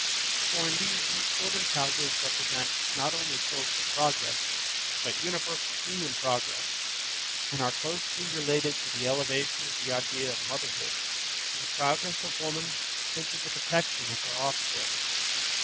For indeed, these "Children's Houses" represent not only social progress, but universal human progress, and are closely related to the elevation of the idea of motherhood, to the progress of woman and to the protection of her offspring.